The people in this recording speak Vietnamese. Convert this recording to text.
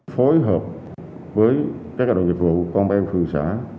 phối hợp với các đội dịch vụ công an phương xã